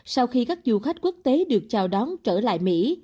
sau khi các du khách quốc tế được chào đón trở lại mỹ